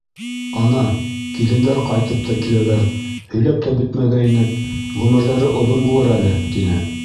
— Ана, килендәр ҡайтып та киләләр, һөйләп тә бөтмәгәйнек, ғүмерҙәре оҙон булыр әле, — тине.